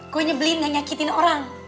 gue nyebelin dan nyakitin orang